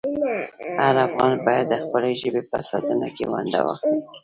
هر افغان باید د خپلې ژبې په ساتنه کې ونډه واخلي.